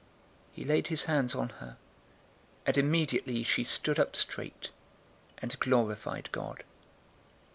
013:013 He laid his hands on her, and immediately she stood up straight, and glorified God.